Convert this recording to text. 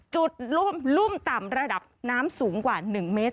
รุ่มต่ำระดับน้ำสูงกว่า๑เมตร